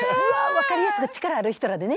分かりやすく力ある人らでね。